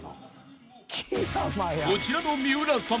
［こちらの三浦さん